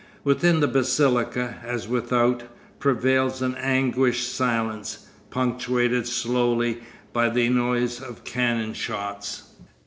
Within the basilica, as without, prevails an anguished silence, punctuated slowly by the noise of cannon shots.